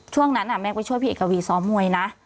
ช่วงนั้นแม่ก็ช่วยพี่เอกวีซ้อมมวยนะ